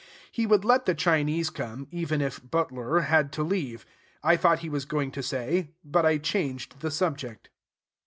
He would let the Chinese come, even if B tl r had to leave, I thought he was going to say, but I changed the subject.